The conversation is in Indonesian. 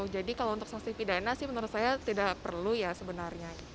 jadi kalau untuk sanksi pidana sih menurut saya tidak perlu ya sebenarnya